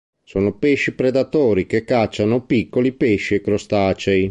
Sono pesci predatori che cacciano piccoli pesci e crostacei.